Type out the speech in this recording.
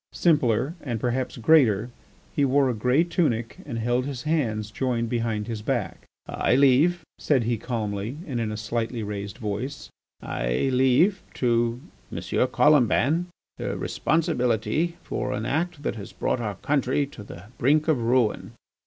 Simpler, and perhaps greater, he wore a grey tunic and held his hands joined behind his back. "I leave," said he calmly and in a slightly raised voice, "I leave to M. Colomban the responsibility for an act that has brought our country to the brink of ruin.